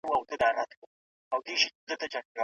دوی راتلونکي بدلونونه په نظر کي نه نیسي.